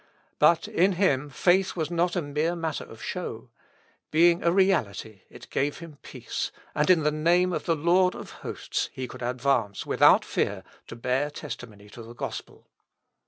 But in him faith was not a mere matter of show. Being a reality it gave him peace, and in the name of the Lord of Hosts he could advance without fear to bear testimony to the Gospel.